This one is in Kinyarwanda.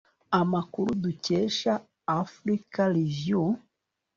Amakuru dukesha africareview